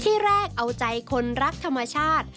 ที่แรกเอาใจคนรักธรรมชาติ